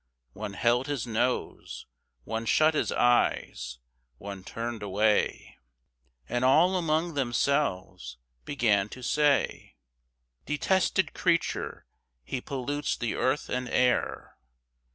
One held his nose, one shut his eyes, one turned away, And all among themselves began to say: "Detested creature! he pollutes the earth and air!"